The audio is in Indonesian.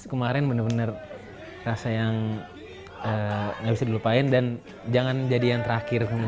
kemarin bener bener rasa yang gak bisa dilupain dan jangan jadi yang terakhir